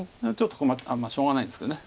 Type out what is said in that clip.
まあしょうがないんですけど。